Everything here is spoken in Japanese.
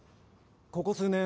ここ数年